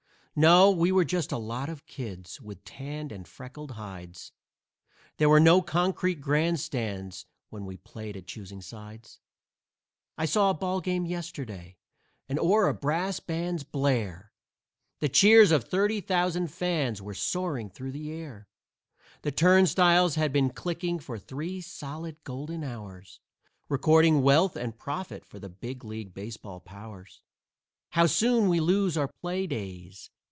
No, we were just a lot of kids, with tanned and freckled hides; There were no concrete grand stands when we played at "choosing sides." I saw a ball game yesterday, and o'er a brass band's blare The cheers of thirty thousand fans were soaring through the air. The turnstiles had been clicking for three solid golden hours, Recording wealth and profit for the big league baseball powers. How soon we lose our play days!